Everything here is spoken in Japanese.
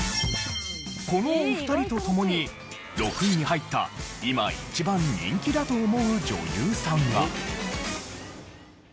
このお二人とともに６位に入った今一番人気だと思う女優さんが。